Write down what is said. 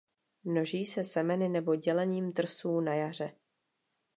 Množí se semeny nebo dělením trsů na jaře.